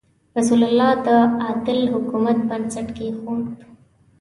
رسول الله د عادل حکومت بنسټ کېښود.